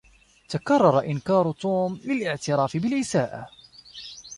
تكرر إنكار توم للاعتراف بالإساءة.